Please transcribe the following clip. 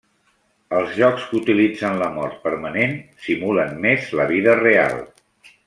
Els jocs que utilitzen la mort permanent simulen més la vida real.